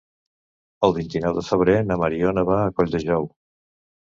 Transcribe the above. El vint-i-nou de febrer na Mariona va a Colldejou.